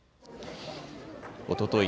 おととい